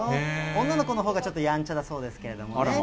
女の子のほうがちょっとやんちゃだそうですけれどもね。